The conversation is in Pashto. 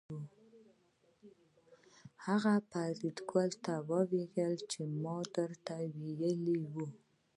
هغه فریدګل ته وویل چې ما درته ویلي وو